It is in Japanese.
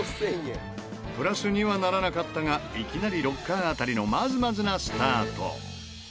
プラスにはならなかったがいきなりロッカー当たりのまずまずなスタート。